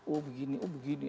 oh begini oh begini